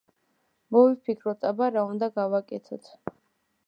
მოვიფიქროთ, აბა, რა უნდა გავაკეთოთ.